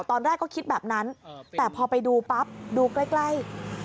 ตอนแรกก็คิดแบบนั้นเอ่อแต่พอไปดูปั๊บดูใกล้ใกล้อ๋อ